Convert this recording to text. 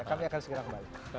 kami akan segera kembali